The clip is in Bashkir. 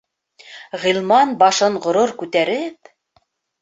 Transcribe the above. Ғилман башын ғорур күтәреп: